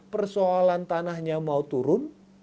persoalan tanahnya mau turun